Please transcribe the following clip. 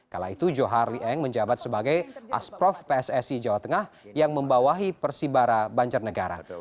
kala itu johar lee eng menjabat sebagai asprof pssi jawa tengah yang membawahi persibara banjarnegara